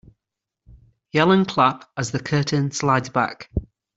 Yell and clap as the curtain slides back.